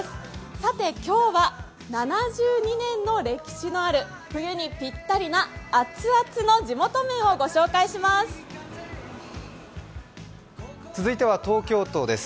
さて、今日は７２年の歴史のある冬にぴったりな熱々の地元麺を御紹介します。